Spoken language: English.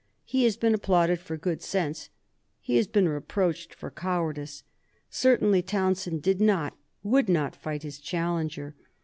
He has been applauded for good sense. He has been reproached for cowardice. Certainly Townshend did not, would not fight his challenger.